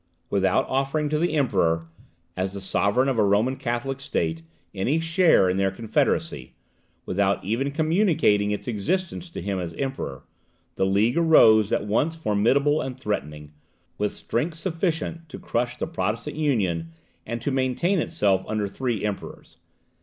Without offering to the Emperor, as the sovereign of a Roman Catholic state, any share in their confederacy, without even communicating its existence to him as emperor, the League arose at once formidable and threatening; with strength sufficient to crush the Protestant Union and to maintain itself under three emperors.